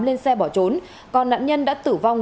lên xe bỏ trốn còn nạn nhân đã tử vong